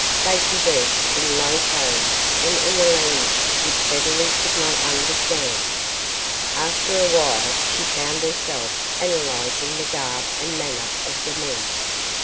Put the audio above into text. They conversed in low tones and in a language which Beverly could not understand. After awhile she found herself analyzing the garb and manner of the men.